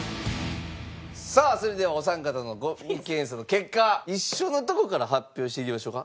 さあそれではお三方の五味検査の結果一緒のとこから発表していきましょうか。